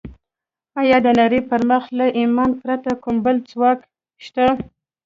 ایا د نړۍ پر مخ له ایمانه پرته کوم بل ځواک شته